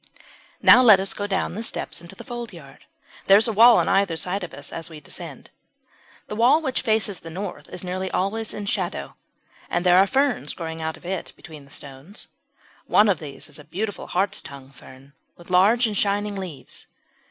Now let us go down the steps into the foldyard; there is a wall on either side of us as we descend. The wall which faces the north is nearly always in shadow, and there are ferns growing but of it between the stones. One of these is a beautiful Hartstongue fern, with large and shining leaves.